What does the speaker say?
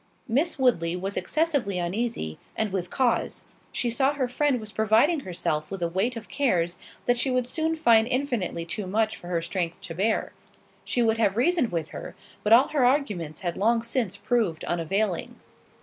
Miss Woodley was excessively uneasy, and with cause; she saw her friend was providing herself with a weight of cares, that she would soon find infinitely too much for her strength to bear—she would have reasoned with her, but all her arguments had long since proved unavailing.